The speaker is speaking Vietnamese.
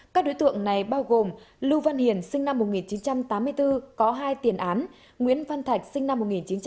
các đối tượng này bao gồm lưu văn hiền sinh năm một nghìn chín trăm tám mươi bốn có hai tiền án nguyễn văn thạch sinh năm một nghìn chín trăm tám mươi